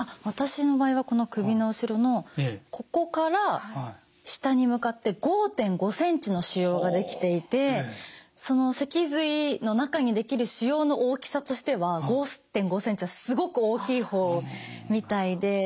私の場合はこの首の後ろのここから下に向かって５．５センチの腫瘍ができていて脊髄の中にできる腫瘍の大きさとしては５．５センチはすごく大きい方みたいで。